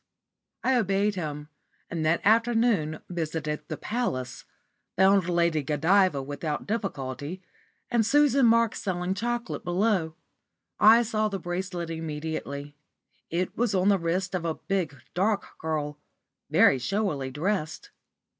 I obeyed him, and that afternoon visited the Palace, found Lady Godiva without difficulty, and Susan Marks selling chocolate below. I saw the bracelet immediately. It was on the wrist of a big, dark girl, very showily dressed.